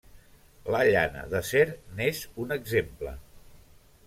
La llana d'acer n'és un exemple.